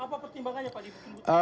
apa pertimbangannya pak